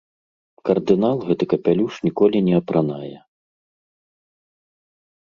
Кардынал гэты капялюш ніколі не апранае.